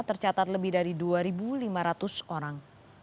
tercatat lebih dari dua lima ratus orang